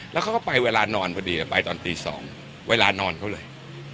แล้วเขาก็ไปเวลานอนพอดีไปตอนตี๒เวลานอนเขาเลย